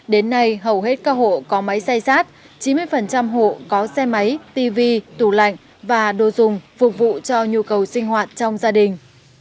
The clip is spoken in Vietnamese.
đến nay hầu hết các hộ có máy xay sát chín mươi hộ có xe máy tv tủ lạnh và đồ dùng phục vụ cho nhu cầu sinh hoạt trong gia đình